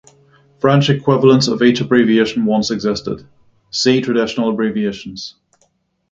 French equivalents of each abbreviation once existed: see Traditional abbreviations.